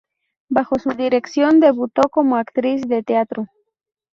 Bajo su dirección debutó como actriz de teatro.